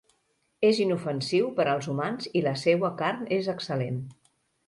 És inofensiu per als humans i la seua carn és excel·lent.